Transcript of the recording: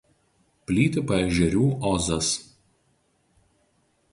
Plyti Paežerių ozas.